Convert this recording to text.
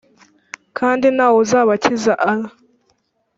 kandi nta wuzabakiza allah .